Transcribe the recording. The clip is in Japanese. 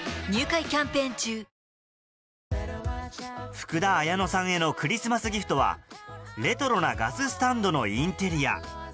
福田彩乃さんへのクリスマスギフトはレトロなガススタンドのインテリア